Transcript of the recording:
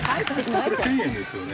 これ１０００円ですよね？